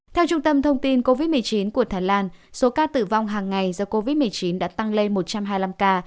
theo trung tâm thông tin covid một mươi chín của thái lan số ca tử vong hàng ngày do covid một mươi chín đã tăng lên một trăm hai mươi năm ca